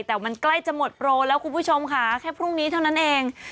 แต่มันใกล้จะหมดโปรแล้วคุณผู้ชมค่ะแค่พรุ่งนี้เท่านั้นเอง